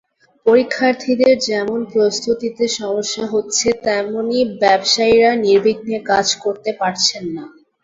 পরীক্ষার্থীদের যেমন প্রস্তুতিতে সমস্যা হচ্ছে, তেমনি ব্যবসায়ীরা নির্বিঘ্নে কাজ করতে পারছেন না।